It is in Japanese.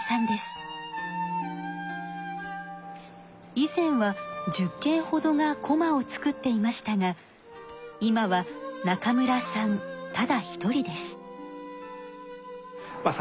以前は１０けんほどがこまを作っていましたが今は中村さんただ一人です。